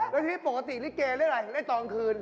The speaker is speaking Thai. แล้วที่ปกติริเกเล่นไหนเล่นตอนคืน